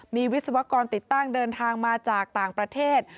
มีวิศวกรติดตั้งเดินทางมาจากต่างประเทศ